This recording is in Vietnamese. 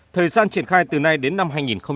thời gian triển khai từ nay đến năm hai nghìn hai mươi